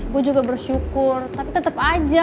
gue juga bersyukur tapi tetap aja